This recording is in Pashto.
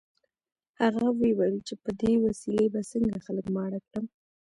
هغه ویې ویل چې په دې وسیلې به څنګه خلک ماړه کړم